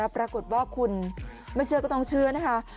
ปรากฏว่าคุณว่าต้องเชื้อนะคะ